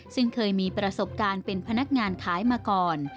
ซึ่งเคยมีประสบการณ์เป็นพนักงานขายมาก่อน